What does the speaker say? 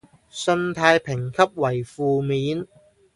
信貸評級為負面